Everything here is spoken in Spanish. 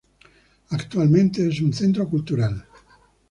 Actualmente es un centro cultural.